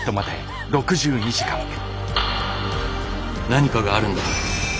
何かがあるんだ。